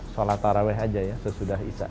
sholat taraweh aja ya sesudah isya